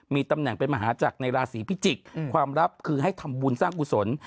มีตำแหน่งเป็นมหาจักรในราศีพิจิกษ์ความลับคือให้ทำบุญสร้างกุศล